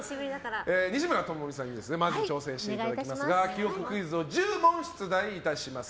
西村知美さんにまず挑戦していただきますが記憶クイズを１０問出題いたします。